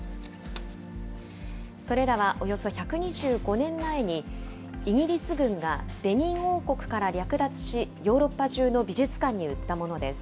それらはおよそ１２５年前に、イギリス軍がベニン王国から略奪し、ヨーロッパ中の美術館に売ったものです。